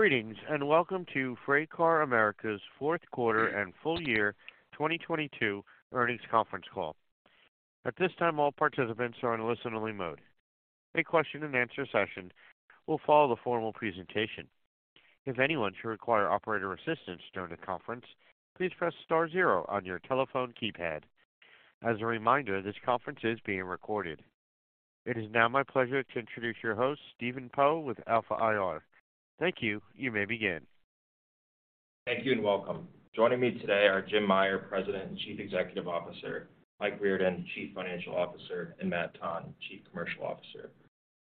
Greetings, welcome to FreightCar America's Fourth Quarter and Full Year 2022 Earnings Conference Call. At this time, all participants are in listen-only mode. A question-and-answer session will follow the formal presentation. If anyone should require operator assistance during the conference, please press star zero on your telephone keypad. As a reminder, this conference is being recorded. It is now my pleasure to introduce your host, Stephen Poe, with Alpha IR. Thank you. You may begin. Thank you, and welcome. Joining me today are Jim Meyer, President and Chief Executive Officer, Mike Riordan, Chief Financial Officer, and Matt Tonn, Chief Commercial Officer.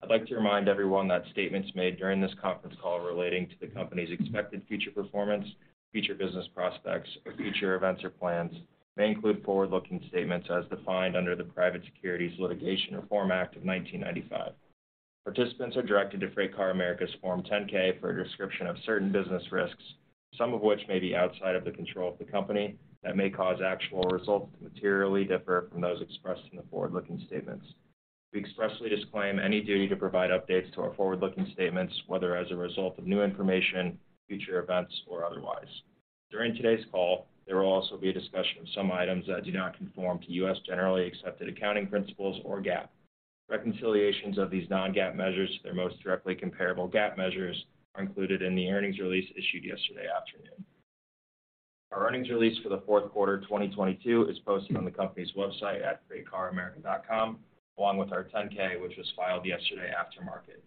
I'd like to remind everyone that statements made during this conference call relating to the company's expected future performance, future business prospects, or future events or plans may include forward-looking statements as defined under the Private Securities Litigation Reform Act of 1995. Participants are directed to FreightCar America's Form 10-K for a description of certain business risks, some of which may be outside of the control of the company and may cause actual results to materially differ from those expressed in the forward-looking statements. We expressly disclaim any duty to provide updates to our forward-looking statements, whether as a result of new information, future events, or otherwise. During today's call, there will also be a discussion of some items that do not conform to U.S. generally accepted accounting principles or GAAP. Reconciliations of these non-GAAP measures to their most directly comparable GAAP measures are included in the earnings release issued yesterday afternoon. Our earnings release for the fourth quarter 2022 is posted on the company's website at freightcaramerica.com, along with our 10-K, which was filed yesterday after market.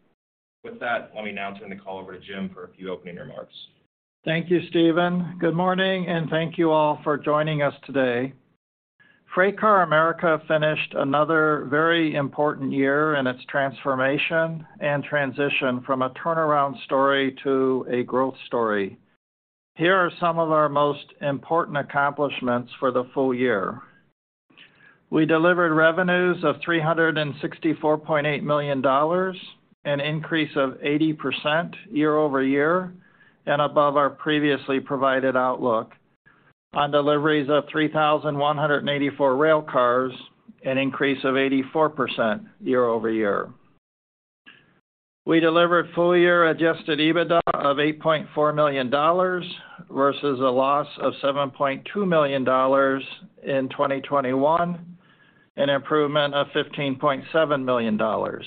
Let me now turn the call over to Jim for a few opening remarks. Thank you, Stephen. Good morning. Thank you all for joining us today. FreightCar America finished another very important year in its transformation and transition from a turnaround story to a growth story. Here are some of our most important accomplishments for the full year. We delivered revenues of $364.8 million, an increase of 80% year-over-year and above our previously provided outlook on deliveries of 3,184 railcars, an increase of 84% year-over-year. We delivered full year adjusted EBITDA of $8.4 million versus a loss of $7.2 million in 2021, an improvement of $15.7 million.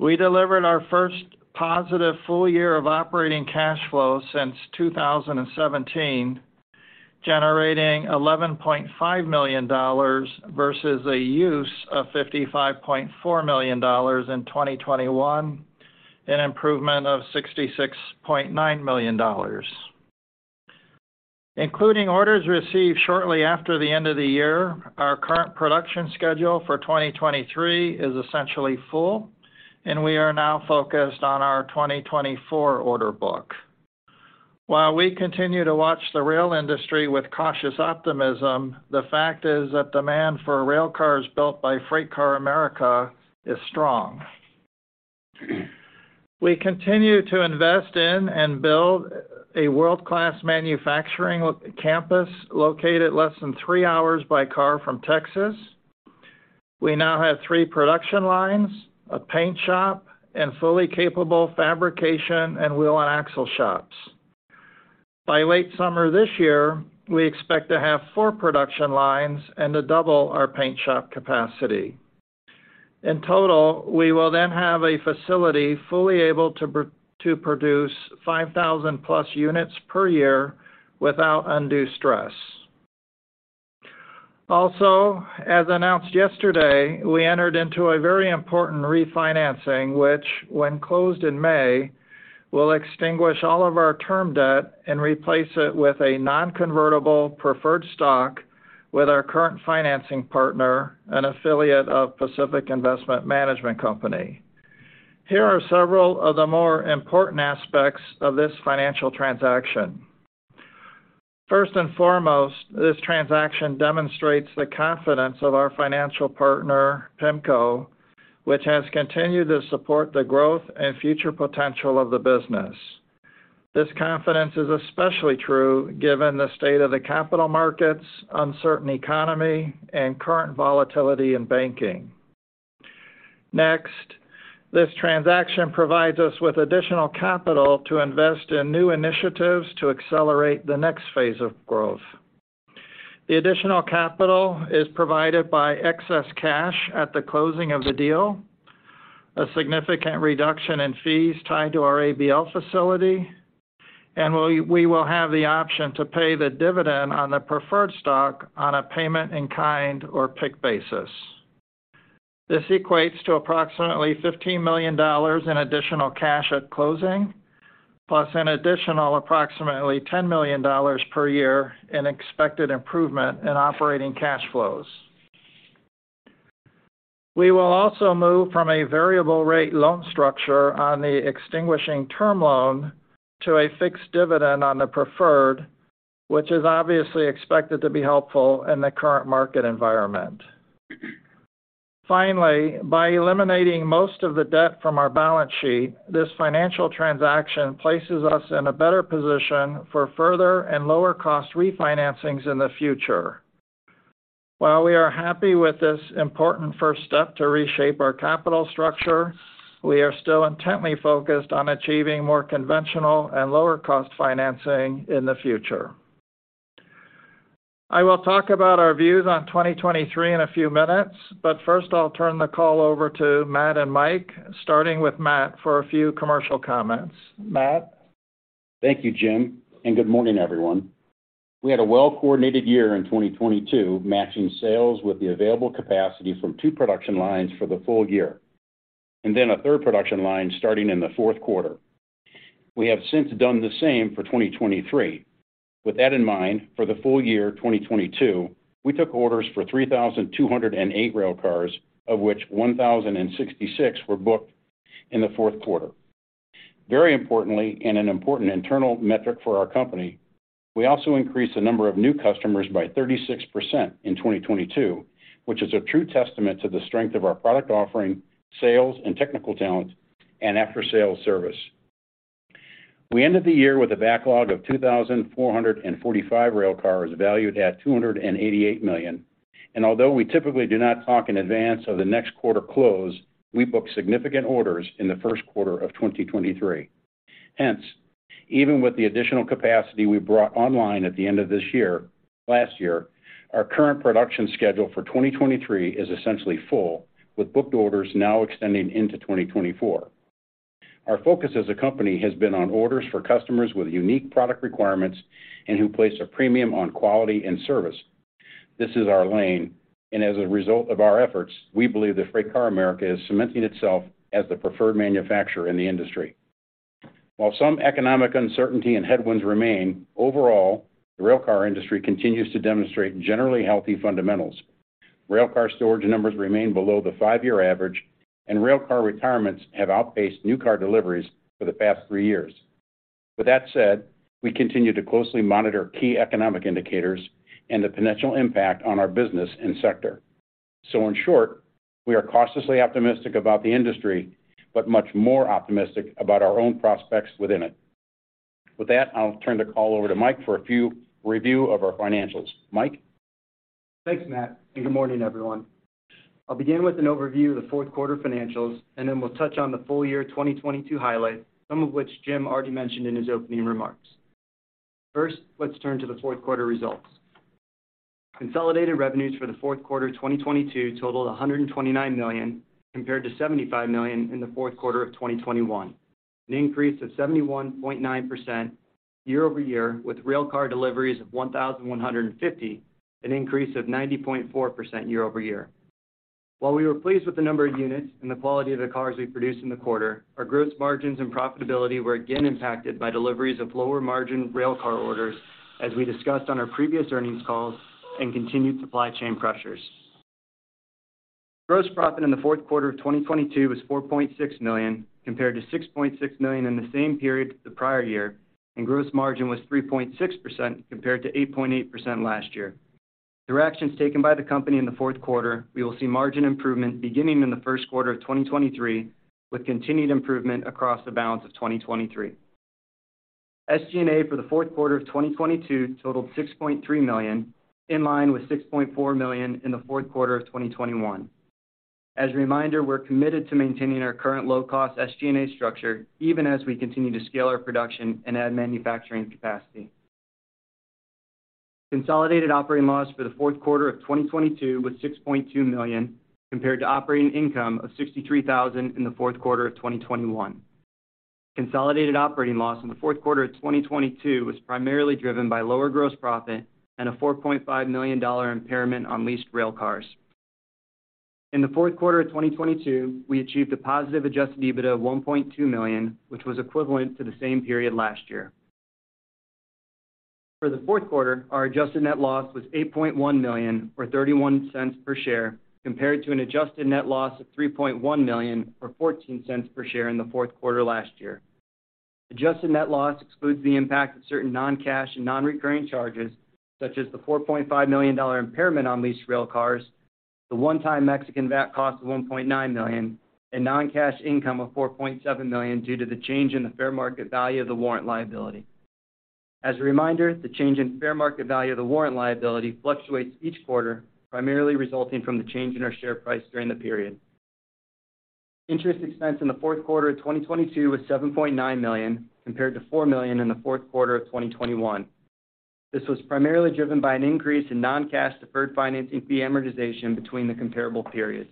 We delivered our first positive full year of operating cash flow since 2017, generating $11.5 million versus a use of $55.4 million in 2021, an improvement of $66.9 million. Including orders received shortly after the end of the year, our current production schedule for 2023 is essentially full, and we are now focused on our 2024 order book. While we continue to watch the rail industry with cautious optimism, the fact is that demand for railcars built by FreightCar America is strong. We continue to invest in and build a world-class manufacturing campus located less than three hours by car from Texas. We now have three production lines, a paint shop, and fully capable fabrication and wheel and axle shops. By late summer this year, we expect to have four production lines and to double our paint shop capacity. In total, we will then have a facility fully able to produce 5,000+ units per year without undue stress. Also, as announced yesterday, we entered into a very important refinancing which, when closed in May, will extinguish all of our term debt and replace it with a non-convertible preferred stock with our current financing partner, an affiliate of Pacific Investment Management Company. Here are several of the more important aspects of this financial transaction. First and foremost, this transaction demonstrates the confidence of our financial partner, PIMCO, which has continued to support the growth and future potential of the business. This confidence is especially true given the state of the capital markets, uncertain economy, and current volatility in banking. This transaction provides us with additional capital to invest in new initiatives to accelerate the next phase of growth. The additional capital is provided by excess cash at the closing of the deal, a significant reduction in fees tied to our ABL facility, and we will have the option to pay the dividend on the preferred stock on a payment in kind or PIK basis. This equates to approximately $15 million in additional cash at closing, plus an additional approximately $10 million per year in expected improvement in operating cash flows. We will also move from a variable rate loan structure on the extinguishing term loan to a fixed dividend on the preferred, which is obviously expected to be helpful in the current market environment. By eliminating most of the debt from our balance sheet, this financial transaction places us in a better position for further and lower cost refinancings in the future. We are happy with this important first step to reshape our capital structure, we are still intently focused on achieving more conventional and lower cost financing in the future. I will talk about our views on 2023 in a few minutes, but first I'll turn the call over to Matt and Mike, starting with Matt for a few commercial comments. Matt? Thank you, Jim. Good morning, everyone. We had a well-coordinated year in 2022, matching sales with the available capacity from two production lines for the full year, and then a third production line starting in the fourth quarter. We have since done the same for 2023. With that in mind, for the full year 2022, we took orders for 3,208 railcars, of which 1,066 were booked in the fourth quarter. Very importantly, and an important internal metric for our company, we also increased the number of new customers by 36% in 2022, which is a true testament to the strength of our product offering, sales and technical talent, and after-sales service. We ended the year with a backlog of 2,445 railcars valued at $288 million. Although we typically do not talk in advance of the next quarter close, we booked significant orders in the first quarter of 2023. Even with the additional capacity we brought online at the end of last year, our current production schedule for 2023 is essentially full, with booked orders now extending into 2024. Our focus as a company has been on orders for customers with unique product requirements and who place a premium on quality and service. This is our lane, and as a result of our efforts, we believe that FreightCar America is cementing itself as the preferred manufacturer in the industry. While some economic uncertainty and headwinds remain, overall, the railcar industry continues to demonstrate generally healthy fundamentals. Railcar storage numbers remain below the five-year average, and railcar retirements have outpaced new car deliveries for the past three years. With that said, we continue to closely monitor key economic indicators and the potential impact on our business and sector. In short, we are cautiously optimistic about the industry, but much more optimistic about our own prospects within it. With that, I'll turn the call over to Mike for a few review of our financials. Mike? Thanks, Matt. Good morning, everyone. I'll begin with an overview of the fourth quarter financials and then we'll touch on the full year 2022 highlights, some of which Jim already mentioned in his opening remarks. First, let's turn to the fourth quarter results. Consolidated revenues for the fourth quarter 2022 totaled $129 million, compared to $75 million in the fourth quarter of 2021, an increase of 71.9% year-over-year, with railcar deliveries of 1,150, an increase of 90.4% year-over-year. While we were pleased with the number of units and the quality of the cars we produced in the quarter, our gross margins and profitability were again impacted by deliveries of lower margin railcar orders as we discussed on our previous earnings calls and continued supply chain pressures. Gross profit in the fourth quarter of 2022 was $4.6 million compared to $6.6 million in the same period the prior year, and gross margin was 3.6% compared to 8.8% last year. Through actions taken by the company in the fourth quarter, we will see margin improvement beginning in the first quarter of 2023, with continued improvement across the balance of 2023. SG&A for the fourth quarter of 2022 totaled $6.3 million, in line with $6.4 million in the fourth quarter of 2021. As a reminder, we're committed to maintaining our current low-cost SG&A structure even as we continue to scale our production and add manufacturing capacity. Consolidated operating loss for the fourth quarter of 2022 was $6.2 million, compared to operating income of $63,000 in the fourth quarter of 2021. Consolidated operating loss in the fourth quarter of 2022 was primarily driven by lower gross profit and a $4.5 million impairment on leased railcars. In the fourth quarter of 2022, we achieved a positive adjusted EBITDA of $1.2 million, which was equivalent to the same period last year. For the fourth quarter, our adjusted net loss was $8.1 million, or $0.31 per share, compared to an adjusted net loss of $3.1 million or $0.14 per share in the fourth quarter last year. Adjusted net loss excludes the impact of certain non-cash and non-recurring charges, such as the $4.5 million impairment on leased railcars, the one-time Mexican VAT cost of $1.9 million, and non-cash income of $4.7 million due to the change in the fair market value of the warrant liability. As a reminder, the change in fair market value of the warrant liability fluctuates each quarter, primarily resulting from the change in our share price during the period. Interest expense in the fourth quarter of 2022 was $7.9 million, compared to $4 million in the fourth quarter of 2021. This was primarily driven by an increase in non-cash deferred financing fee amortization between the comparable periods.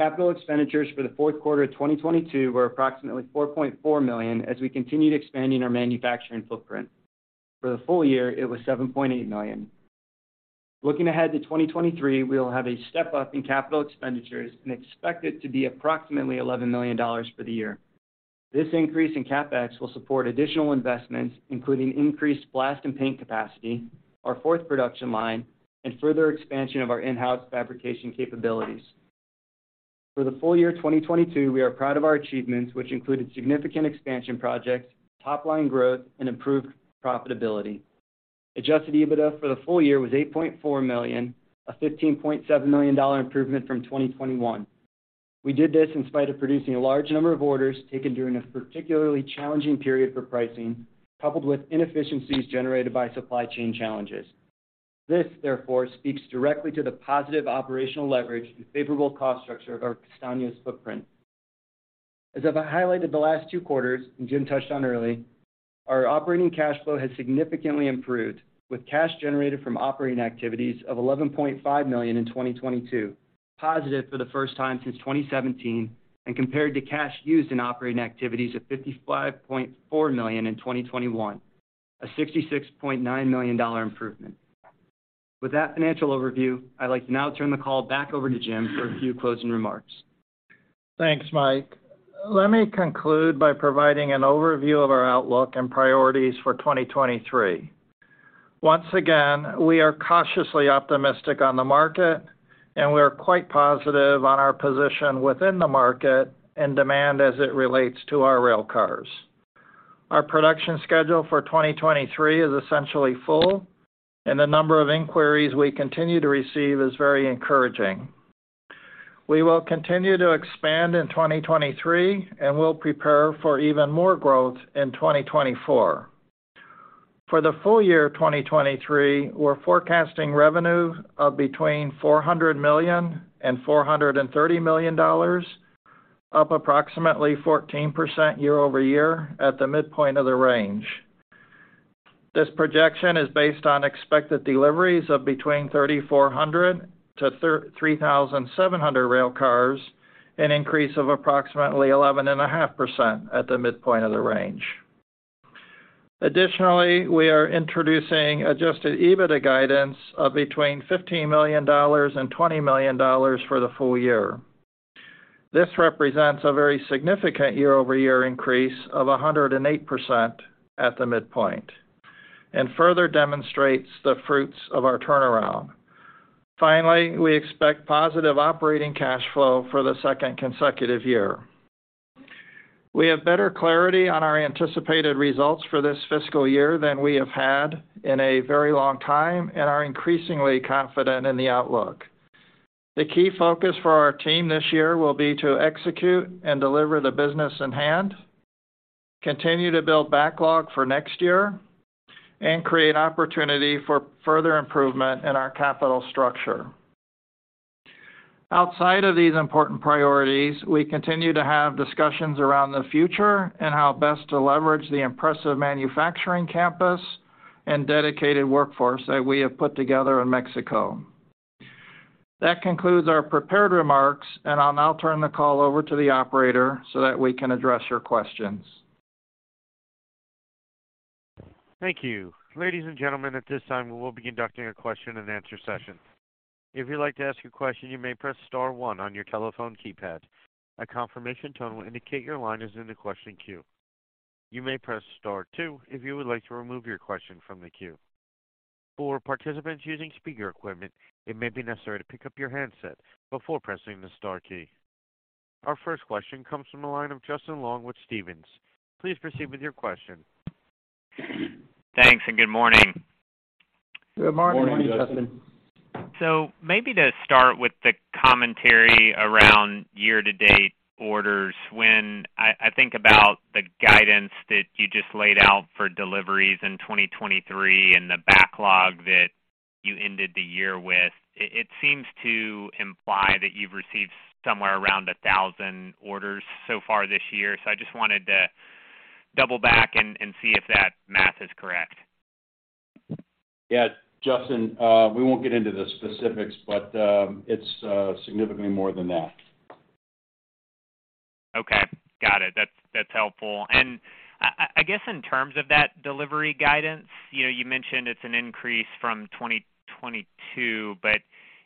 Capital expenditures for the fourth quarter of 2022 were approximately $4.4 million as we continued expanding our manufacturing footprint. For the full year, it was $7.8 million. Looking ahead to 2023, we will have a step-up in capital expenditures and expect it to be approximately $11 million for the year. This increase in CapEx will support additional investments, including increased blast and paint capacity, our fourth production line, and further expansion of our in-house fabrication capabilities. For the full year 2022, we are proud of our achievements, which included significant expansion projects, top-line growth, and improved profitability. Adjusted EBITDA for the full year was $8.4 million, a $15.7 million improvement from 2021. We did this in spite of producing a large number of orders taken during a particularly challenging period for pricing, coupled with inefficiencies generated by supply chain challenges. This, therefore, speaks directly to the positive operational leverage and favorable cost structure of our Castaños footprint. As I've highlighted the last two quarters, and Jim touched on early, our operating cash flow has significantly improved with cash generated from operating activities of $11.5 million in 2022, positive for the first time since 2017, and compared to cash used in operating activities of $55.4 million in 2021, a $66.9 million improvement. With that financial overview, I'd like to now turn the call back over to Jim for a few closing remarks. Thanks, Mike. Let me conclude by providing an overview of our outlook and priorities for 2023. Once again, we are cautiously optimistic on the market. We are quite positive on our position within the market and demand as it relates to our railcars. Our production schedule for 2023 is essentially full. The number of inquiries we continue to receive is very encouraging. We will continue to expand in 2023. We'll prepare for even more growth in 2024. For the full year of 2023, we're forecasting revenue of between $400 million and $430 million, up approximately 14% year-over-year at the midpoint of the range. This projection is based on expected deliveries of between 3,400-3,700 railcars, an increase of approximately 11.5% at the midpoint of the range. Additionally, we are introducing adjusted EBITDA guidance of between $15 million and $20 million for the full year. This represents a very significant year-over-year increase of 108% at the midpoint and further demonstrates the fruits of our turnaround. Finally, we expect positive operating cash flow for the second consecutive year. We have better clarity on our anticipated results for this fiscal year than we have had in a very long time and are increasingly confident in the outlook. The key focus for our team this year will be to execute and deliver the business in hand, continue to build backlog for next year, and create opportunity for further improvement in our capital structure. Outside of these important priorities, we continue to have discussions around the future and how best to leverage the impressive manufacturing campus and dedicated workforce that we have put together in Mexico. That concludes our prepared remarks, and I'll now turn the call over to the operator so that we can address your questions. Thank you. Ladies and gentlemen, at this time, we will be conducting a question-and-answer session. If you'd like to ask a question, you may press star one on your telephone keypad. A confirmation tone will indicate your line is in the question queue. You may press star two if you would like to remove your question from the queue. For participants using speaker equipment, it may be necessary to pick up your handset before pressing the star key. Our first question comes from the line of Justin Long with Stephens. Please proceed with your question. Thanks, and good morning. Good morning, Justin. Morning. Maybe to start with the commentary around year-to-date orders. When I think about the guidance that you just laid out for deliveries in 2023 and the backlog that you ended the year with, it seems to imply that you've received somewhere around 1,000 orders so far this year. I just wanted to double back and see if that math is correct. Yeah, Justin, we won't get into the specifics, but it's significantly more than that. Okay. Got it. That's helpful. I guess in terms of that delivery guidance, you know, you mentioned it's an increase from 2022,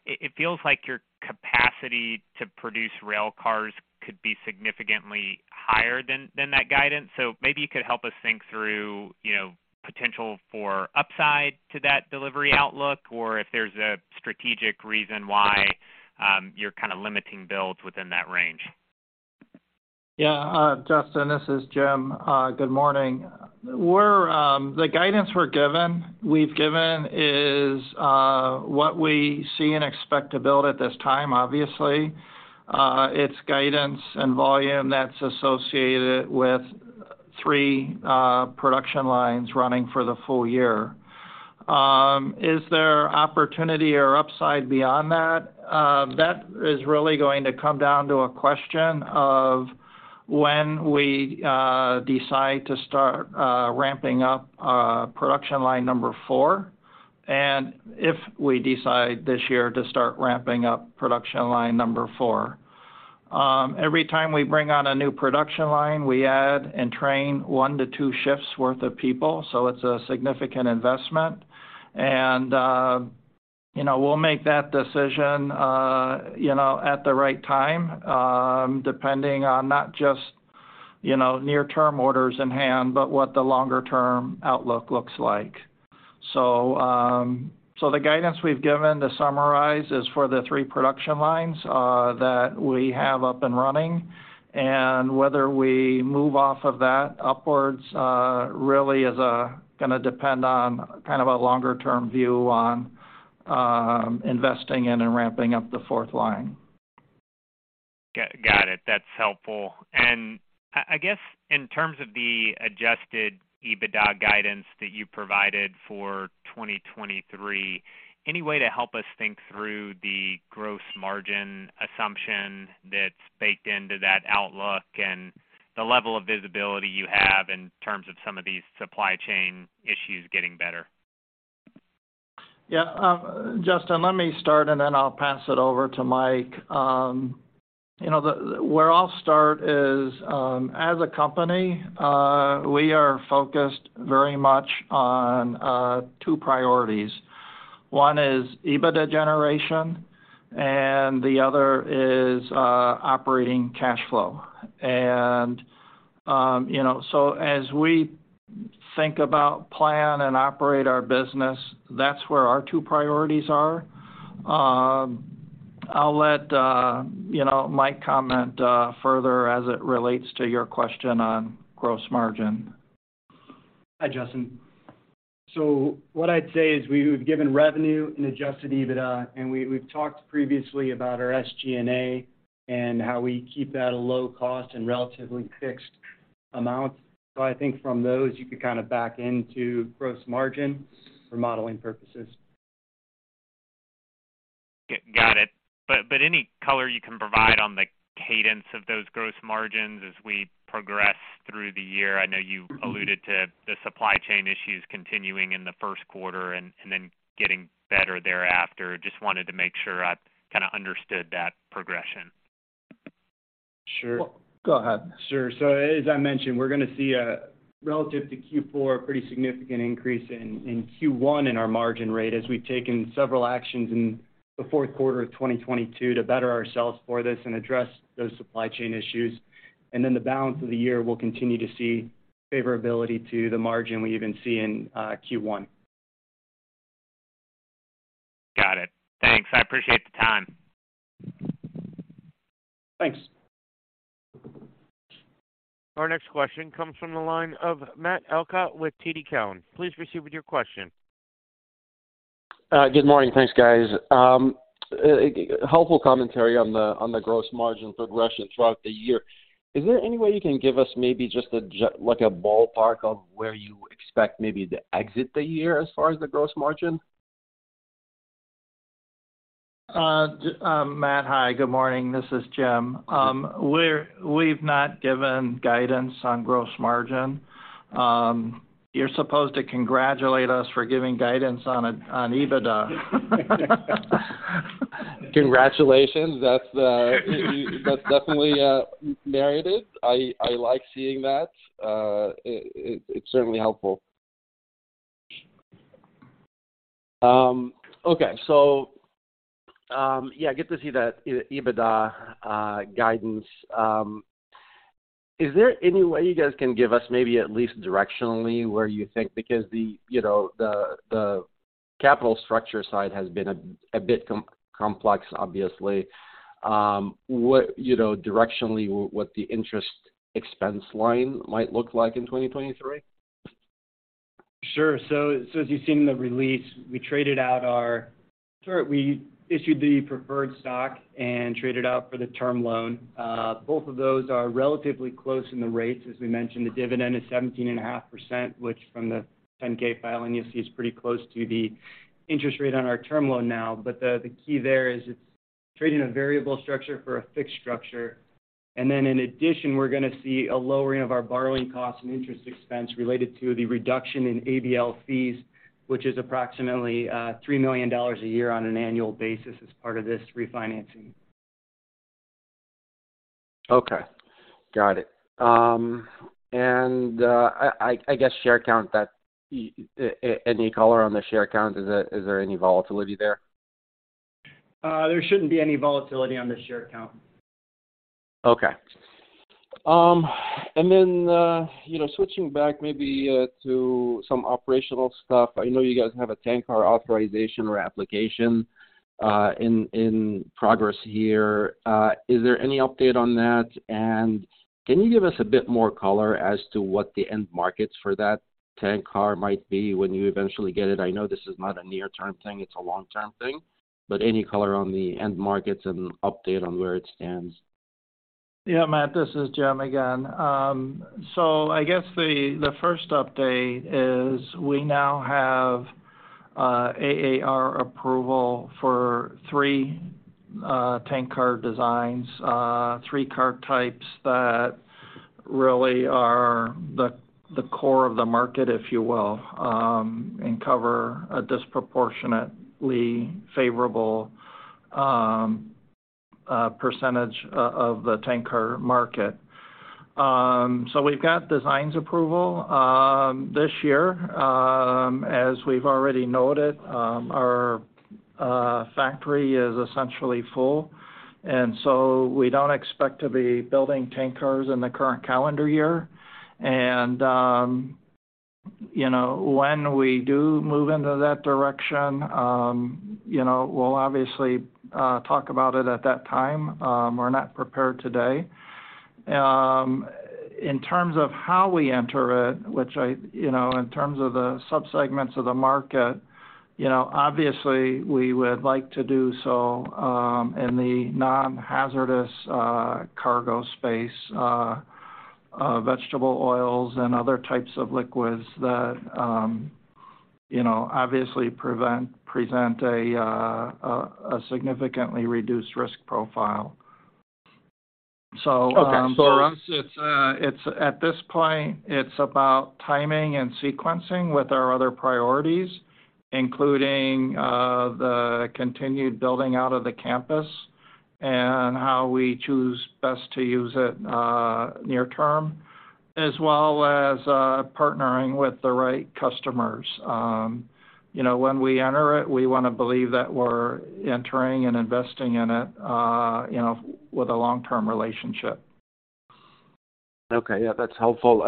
it feels like your capacity to produce railcars could be significantly higher than that guidance. Maybe you could help us think through, you know, potential for upside to that delivery outlook or if there's a strategic reason why you're kind of limiting builds within that range. Yeah, Justin, this is Jim. Good morning. The guidance we've given is what we see and expect to build at this time, obviously. It's guidance and volume that's associated with three production lines running for the full year. Is there opportunity or upside beyond that? That is really going to come down to a question of when we decide to start ramping up production line number four, and if we decide this year to start ramping up production line number four. Every time we bring on a new production line, we add and train one to two shifts worth of people, so it's a significant investment. You know, we'll make that decision, you know, at the right time, depending on not just, you know, near-term orders in hand, but what the longer-term outlook looks like. So the guidance we've given to summarize is for the three production lines, that we have up and running, and whether we move off of that upwards, really is, gonna depend on kind of a longer-term view on, investing in and ramping up the fourth line. Got it. That's helpful. I guess in terms of the adjusted EBITDA guidance that you provided for 2023, any way to help us think through the gross margin assumption that's baked into that outlook and the level of visibility you have in terms of some of these supply chain issues getting better? Justin, let me start, and then I'll pass it over to Mike. You know, where I'll start is, as a company, we are focused very much on two priorities. One is EBITDA generation, and the other is operating cash flow. You know, as we think about, plan, and operate our business, that's where our two priorities are. I'll let, you know, Mike comment further as it relates to your question on gross margin. Hi, Justin. What I'd say is we've given revenue and adjusted EBITDA, and we've talked previously about our SG&A and how we keep that a low cost and relatively fixed amount. I think from those, you could kind of back into gross margin for modeling purposes. Got it. Any color you can provide on the cadence of those gross margins as we progress through the year? I know you alluded to the supply chain issues continuing in the first quarter and then getting better thereafter. Just wanted to make sure I kinda understood that progression. Sure. Go ahead. Sure. As I mentioned, we're gonna see a relative to Q4, a pretty significant increase in Q1 in our margin rate as we've taken several actions in the fourth quarter of 2022 to better ourselves for this and address those supply chain issues. The balance of the year, we'll continue to see favorability to the margin we even see in Q1. Got it. Thanks. I appreciate the time. Thanks. Our next question comes from the line of Matt Elkott with TD Cowen. Please proceed with your question. Good morning. Thanks, guys. Helpful commentary on the gross margin progression throughout the year. Is there any way you can give us maybe just like a ballpark of where you expect maybe to exit the year as far as the gross margin? Matt, hi, good morning. This is Jim. We've not given guidance on gross margin. You're supposed to congratulate us for giving guidance on EBITDA. Congratulations. That's definitely merited. I like seeing that. It's certainly helpful. Okay. Yeah, good to see that EBITDA guidance. Is there any way you guys can give us maybe at least directionally where you think, because you know, the capital structure side has been a bit complex, obviously, what, you know, directionally, what the interest expense line might look like in 2023? Sure. As you see in the release, we issued the preferred stock and traded out for the term loan. Both of those are relatively close in the rates. As we mentioned, the dividend is 17.5%, which from the Form 10-K filing, you'll see is pretty close to the interest rate on our term loan now. The key there is it's trading a variable structure for a fixed structure. In addition, we're gonna see a lowering of our borrowing costs and interest expense related to the reduction in ABL fees, which is approximately $3 million a year on an annual basis as part of this refinancing. Okay, got it. I guess, share count that. Any color on the share count? Is there any volatility there? There shouldn't be any volatility on the share count. Okay. You know, switching back maybe to some operational stuff. I know you guys have a tank car authorization or application in progress here. Is there any update on that? Can you give us a bit more color as to what the end markets for that tank car might be when you eventually get it? I know this is not a near-term thing, it's a long-term thing, but any color on the end markets and update on where it stands. Matt, this is Jim again. I guess the first update is we now have AAR approval for three tank car designs, three car types that really are the core of the market, if you will, and cover a disproportionately favorable percentage of the tank car market. We've got designs approval this year. As we've already noted, our factory is essentially full, we don't expect to be building tank cars in the current calendar year. You know, when we do move into that direction, you know, we'll obviously talk about it at that time. We're not prepared today. In terms of how we enter it, which I, you know, in terms of the subsegments of the market, you know, obviously we would like to do so, in the non-hazardous cargo space, vegetable oils and other types of liquids that, you know, obviously present a significantly reduced risk profile. Okay. It's at this point, it's about timing and sequencing with our other priorities, including the continued building out of the campus and how we choose best to use it near term, as well as partnering with the right customers. You know, when we enter it, we wanna believe that we're entering and investing in it, you know, with a long-term relationship. Okay. Yeah, that's helpful.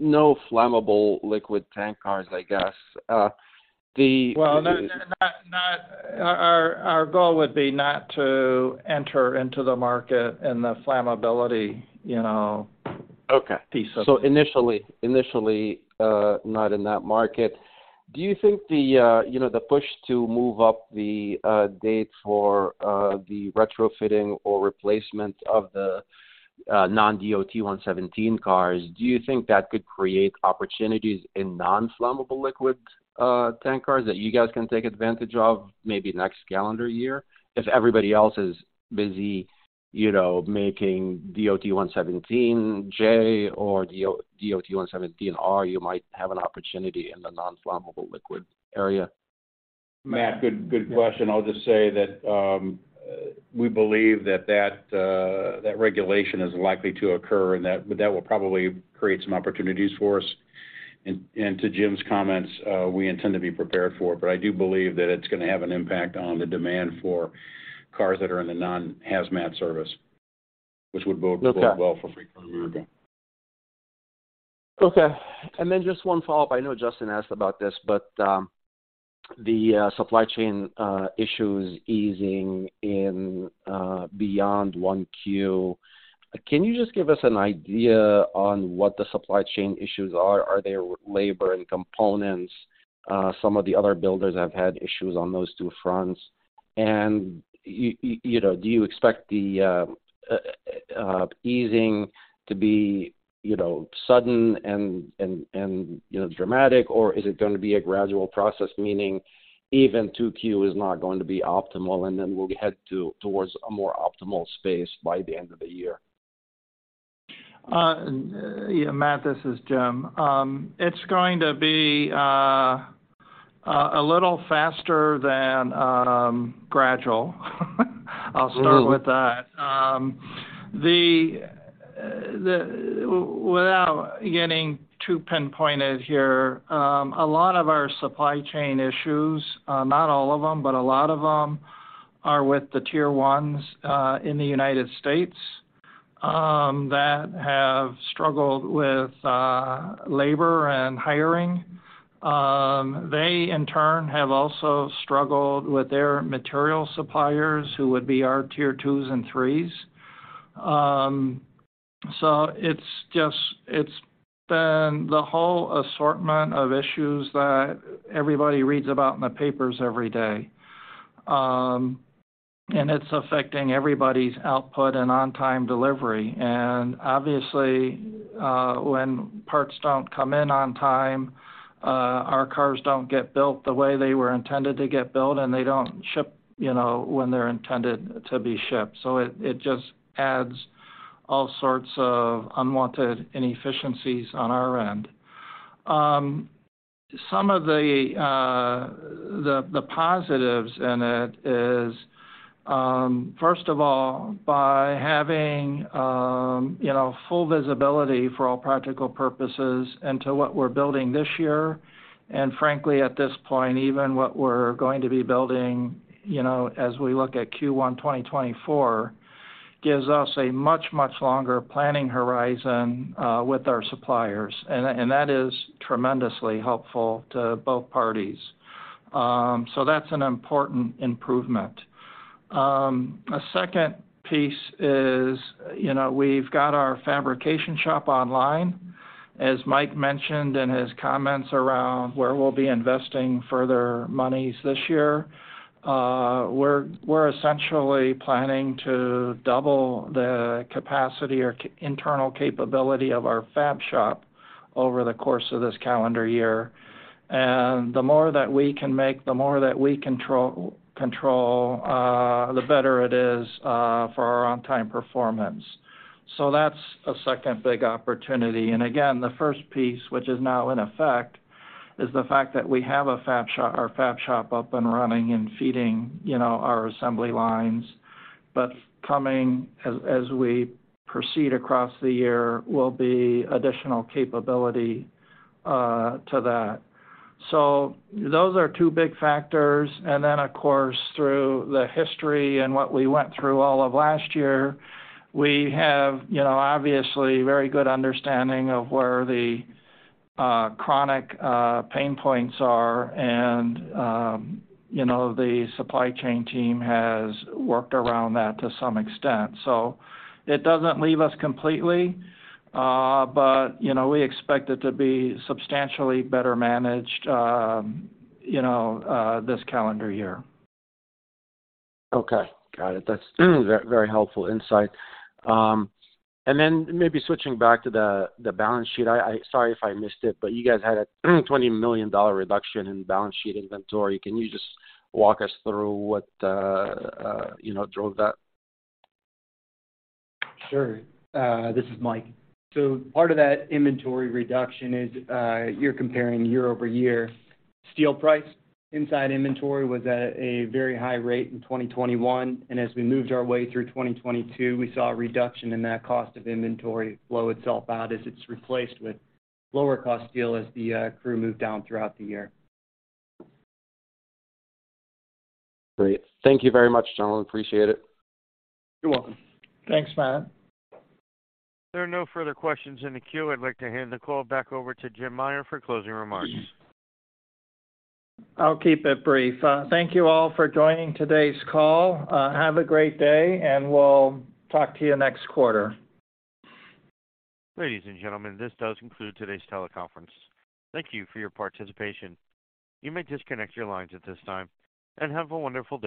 No flammable liquid tank cars, I guess. Well, Our goal would be not to enter into the market in the flammability, you know. Okay... piece of it. Initially, initially, not in that market. Do you think the, you know, the push to move up the date for the retrofitting or replacement of the non-DOT-117 cars, do you think that could create opportunities in non-flammable liquids tank cars that you guys can take advantage of maybe next calendar year? If everybody else is busy, you know, making DOT-117J or DOT-117R, you might have an opportunity in the non-flammable liquid area. Matt, good question. I'll just say that we believe that regulation is likely to occur, and that will probably create some opportunities for us. to Jim's comments, we intend to be prepared for it. I do believe that it's gonna have an impact on the demand for cars that are in the non-hazmat service, which would bode well for FreightCar America. Okay. Just one follow-up. I know Justin asked about this, but the supply chain issues easing in beyond 1Q. Can you just give us an idea on what the supply chain issues are? Are they labor and components? Some of the other builders have had issues on those two fronts. You know, do you expect the easing to be, you know, sudden and dramatic, or is it gonna be a gradual process, meaning even 2Q is not going to be optimal, and then we'll head towards a more optimal space by the end of the year? Yeah, Matt Elkott, this is Jim Meyer. It's going to be a little faster than gradual. I'll start with that. Without getting too pinpointed here, a lot of our supply chain issues, not all of them, but a lot of them are with the tier ones in the United States that have struggled with labor and hiring. They in turn have also struggled with their material suppliers, who would be our tier twos and threes. It's been the whole assortment of issues that everybody reads about in the papers every day. It's affecting everybody's output and on-time delivery. Obviously, when parts don't come in on time, our cars don't get built the way they were intended to get built, and they don't ship, you know, when they're intended to be shipped. It, it just adds all sorts of unwanted inefficiencies on our end. Some of the, the positives in it is, first of all, by having, you know, full visibility, for all practical purposes, into what we're building this year, and frankly, at this point, even what we're going to be building, you know, as we look at Q1 2024, gives us a much, much longer planning horizon, with our suppliers. That is tremendously helpful to both parties. That's an important improvement. A second piece is, you know, we've got our fabrication shop online. As Mike mentioned in his comments around where we'll be investing further monies this year, we're essentially planning to double the capacity or internal capability of our fab shop over the course of this calendar year. The more that we can make, the more that we control, the better it is for our on-time performance. That's a second big opportunity. Again, the first piece, which is now in effect, is the fact that we have a fab shop, our fab shop up and running and feeding, you know, our assembly lines. Coming as we proceed across the year will be additional capability to that. Those are two big factors. Of course, through the history and what we went through all of last year, we have, you know, obviously very good understanding of where the chronic pain points are. You know, the supply chain team has worked around that to some extent. It doesn't leave us completely, but, you know, we expect it to be substantially better managed, you know, this calendar year. Okay, got it. That's very helpful insight. Then maybe switching back to the balance sheet. I sorry if I missed it, but you guys had a $20 million reduction in balance sheet inventory. Can you just walk us through what, you know, drove that? Sure. This is Mike. Part of that inventory reduction is, you're comparing year-over-year. Steel price inside inventory was at a very high rate in 2021, and as we moved our way through 2022, we saw a reduction in that cost of inventory flow itself out as it's replaced with lower cost steel as the crew moved down throughout the year. Great. Thank you very much, gentlemen. Appreciate it. You're welcome. Thanks, Matt. There are no further questions in the queue. I'd like to hand the call back over to Jim Meyer for closing remarks. I'll keep it brief. Thank you all for joining today's call. Have a great day. We'll talk to you next quarter. Ladies and gentlemen, this does conclude today's teleconference. Thank you for your participation. You may disconnect your lines at this time. Have a wonderful day.